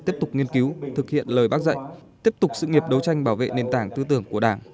tiếp tục nghiên cứu thực hiện lời bác dạy tiếp tục sự nghiệp đấu tranh bảo vệ nền tảng tư tưởng của đảng